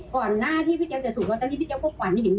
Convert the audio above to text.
ก่อนหน้าที่พี่เจ๊วจะถูกรอตั้งที่พี่เจ๊วก็กว่านหิน